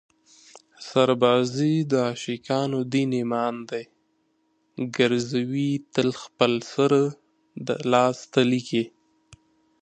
سربازي د عاشقانو دین ایمان دی ګرزوي تل خپل سر د لاس تلي کې